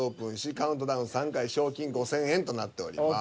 カウントダウン３回賞金５，０００円となっております。